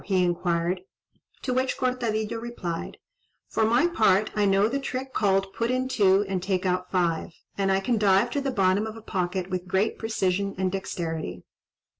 he inquired; to which Cortadillo replied, "For my part I know the trick called 'put in two, and take out five,' and I can dive to the bottom of a pocket with great precision and dexterity."